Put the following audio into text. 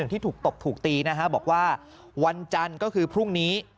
ที่ถูกตบถูกตีนะฮะบอกว่าวันจันทร์ก็คือพรุ่งนี้